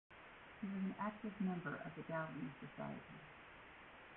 He was an active member of the Galilei Society.